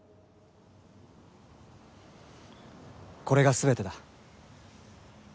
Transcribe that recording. これが全てだ。